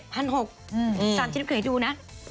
๗๖๐๐บาท๓ชิ้นเคยดูนะ